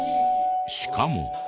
しかも。